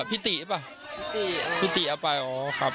พี่ติเอาไปป่ะพี่ติเอาไปอ๋อครับ